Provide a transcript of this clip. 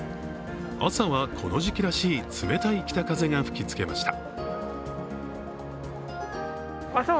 朝はこの時期らしい冷たい北風が吹きつけました。